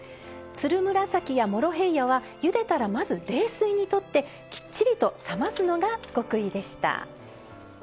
つるむらさきやモロヘイヤはゆでたらまず冷水にとってきっちりと冷ますのが極意でした。